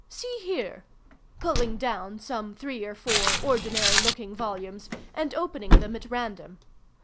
See here!" (pulling down some three or four ordinary looking volumes, and opening them at random).